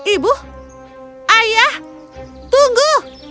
ibu ayah tunggu